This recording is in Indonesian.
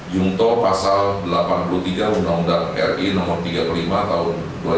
jungto pasal delapan puluh tiga undang undang ri no tiga puluh lima tahun dua ribu dua